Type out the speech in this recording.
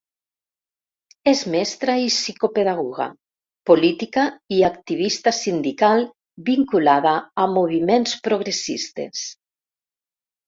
És mestra i psicopedagoga, política i activista sindical vinculada a moviments progressistes.